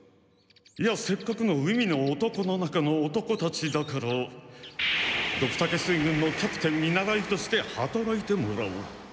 いやせっかくの海の男の中の男たちだからドクタケ水軍のキャプテン見習いとして働いてもらおう。